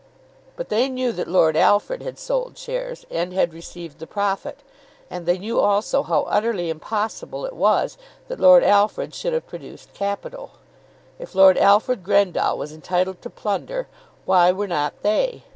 But they knew that Lord Alfred had sold shares, and had received the profit; and they knew also how utterly impossible it was that Lord Alfred should have produced capital. If Lord Alfred Grendall was entitled to plunder, why were not they?